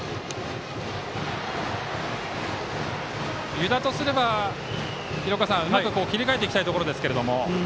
湯田とすれば、廣岡さん切り替えていきたいところですが。